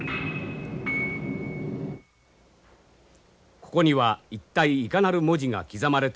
ここには一体いかなる文字が刻まれているのだろうか。